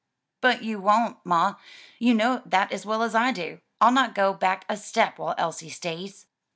"But you won't, ma, you know that as well as I do. I'll not go back a step while Elsie stays."